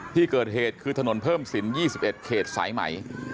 ที่เกิดเหตุคือถนนเพิ่มสิน๒๑เขตสายไหม